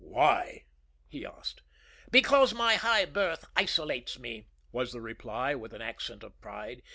"Why?" he asked. "Because my high birth isolates me," was the reply, with an accent of pride.